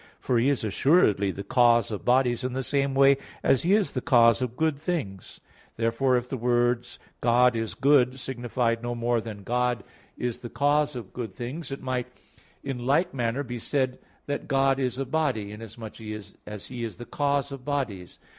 For He is assuredly the cause of bodies in the same way as He is the cause of good things; therefore if the words "God is good," signified no more than, "God is the cause of good things," it might in like manner be said that God is a body, inasmuch as He is the cause of bodies.